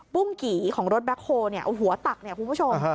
ุ้งกี่ของรถแบ็คโฮลหัวตักเนี่ยคุณผู้ชม